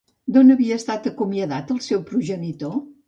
D'on havia estat acomiadat el seu progenitor?